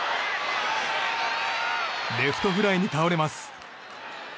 レフトフライに倒れます。